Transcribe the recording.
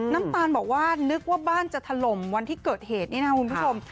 น้ำตาลบอกว่านึกว่าบ้านจะถล่มวันที่เกิดเหตุนี่นะคุณผู้ชม